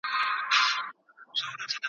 ایمان په زړه کي د یو پاچا په څېر واکمني کوي.